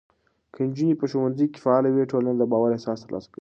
که نجونې په ښوونځي کې فعاله وي، ټولنه د باور احساس ترلاسه کوي.